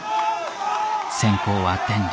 先攻は天理。